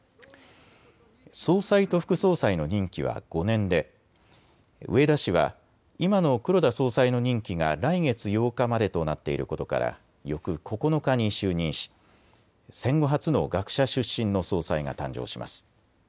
総裁と副総裁の任期は５年で植田氏は今の黒田総裁の任期が来月８日までとなっていることから翌９日に就任し、戦後初の学者出身の総裁が誕生します。